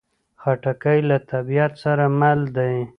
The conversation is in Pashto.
خټکی له طبیعت سره مل دی.